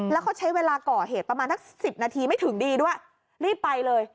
แล้วเขาใช้เวลาก่อเหตุประมาณสัก๑๐นาทีไม่ถึงดีด้วยรีบไปเลย